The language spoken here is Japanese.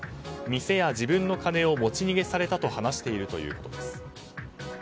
店や自分の金を持ち逃げされたと話しているということです。